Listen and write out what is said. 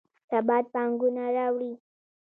ثبات پانګونه راوړي